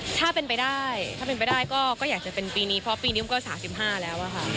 ถ้าเป็นไปได้ถ้าเป็นไปได้ก็อยากจะเป็นปีนี้เพราะปีนี้มันก็๓๕แล้วอะค่ะ